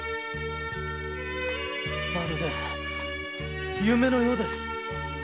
まるで夢のようです。